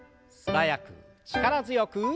素早く力強く。